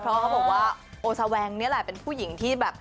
เพราะเขาบอกว่าโอซาแวงนี่แหละเป็นผู้หญิงที่แบบ